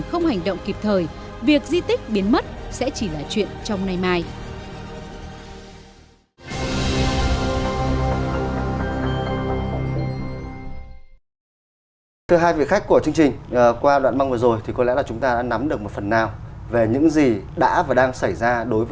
không hành động kịp thời việc di tích biến mất sẽ chỉ là chuyện trong nay